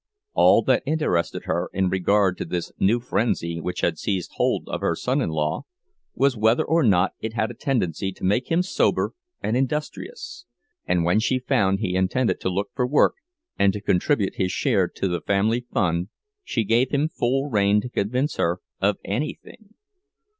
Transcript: All that interested her in regard to this new frenzy which had seized hold of her son in law was whether or not it had a tendency to make him sober and industrious; and when she found he intended to look for work and to contribute his share to the family fund, she gave him full rein to convince her of anything.